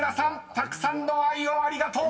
たくさんの「アイ」をありがとう。